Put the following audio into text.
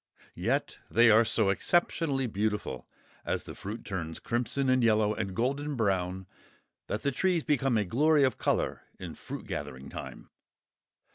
Yet they are so exceptionally beautiful, as the fruit turns crimson and yellow and golden brown, that the trees become a glory of colour in fruit gathering time.